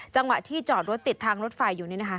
จังหวะที่จอดรถติดทางรถไฟอยู่นี่นะคะ